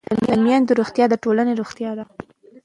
د میندو روغتیا د ټولنې روغتیا ده.